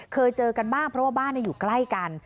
เคยเจอกันบ้างเพราะว่าบ้านอยู่ใกล้กัน